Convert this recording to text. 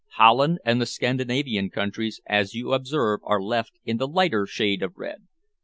Holland and the Scandinavian countries, as you observe are left in the lighter shade of red.